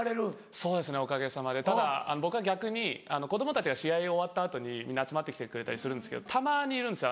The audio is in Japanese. そうですねおかげさまでただ僕は逆に子供たちが試合終わった後にみんな集まって来てくれたりするんですけどたまにいるんですよ